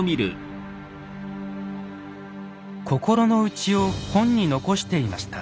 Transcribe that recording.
心の内を本に残していました。